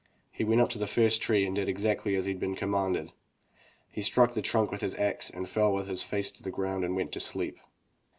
He went up to the first tree and did exactly as he had been commanded. He struck the trunk with his axe, fell with his face to the ground and went to sleep.